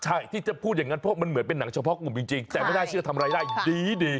ใช่ที่จะพูดอย่างนั้นเพราะมันเหมือนเป็นหนังเฉพาะกลุ่มจริงแต่ไม่น่าเชื่อทำรายได้ดี